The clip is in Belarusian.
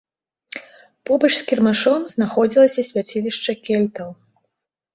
Побач з кірмашом знаходзілася свяцілішча кельтаў.